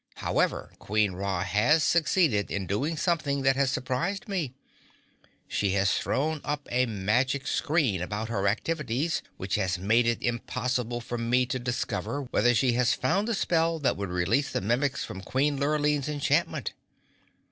However, Queen Ra has succeeded in doing something that has surprised me. She has thrown up a magic screen about her activities which has made it impossible for me to discover whether she has found the spell that would release the Mimics from Queen Lurline's enchantment.